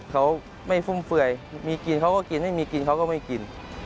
เขาไม่ฟุ่มเฟื่อยมีกินเขาก็กินไม่มีกินเขาก็ไม่กิน